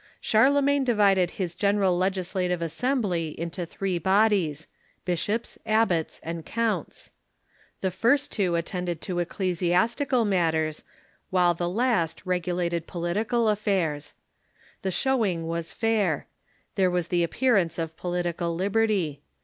Charlemagne divided his general legislative assembly into three bodies — bishops, abbots, and counts. The first two attended to eccle siastical matters, while the last regulated political affairs. The showing Avas fair. There was the appearance of political lib erty.